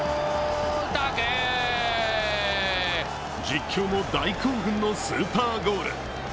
実況も大興奮のスーパーゴール。